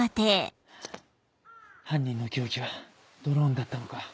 犯人の凶器はドローンだったのか。